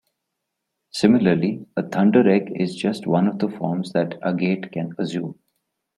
Similarly, a thunderegg is just one of the forms that agate can assume.